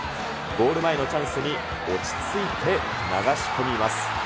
ゴール前のチャンスに落ち着いて流し込みます。